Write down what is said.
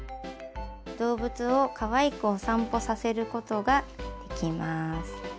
動物をかわいくお散歩させることができます。